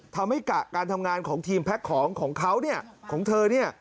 ทำให้กะการทำงานของทีมแพ็คของของเขาเนี่ยของเธอเนี่ย